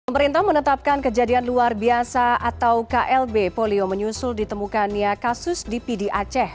pemerintah menetapkan kejadian luar biasa atau klb polio menyusul ditemukannya kasus di pdi aceh